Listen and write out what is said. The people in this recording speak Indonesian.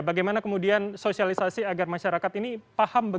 bagaimana kemudian sosialisasi agar masyarakat ini paham